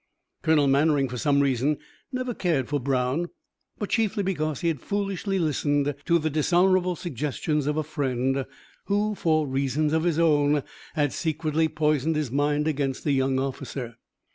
Colonel Mannering, for some reason, never cared for Brown, but chiefly because he had foolishly listened to the dishonourable suggestions of a friend, who, for reasons of his own, had secretly poisoned his mind against the young officer.